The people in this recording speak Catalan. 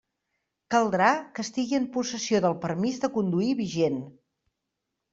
Caldrà que estigui en possessió del permís de conduir vigent.